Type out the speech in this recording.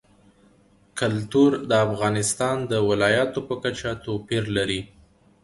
کلتور د افغانستان د ولایاتو په کچه توپیر لري.